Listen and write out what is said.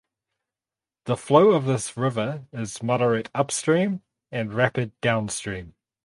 The flow of this river is moderate upstream and rapid downstream.